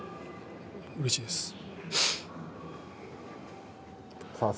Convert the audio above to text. うれしいです。